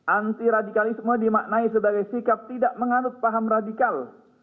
anti radikalisme dimaknai sebagai sikap tidak menganut paham radikal